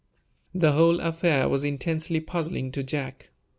The whole affair was intensely puzzling to Jack.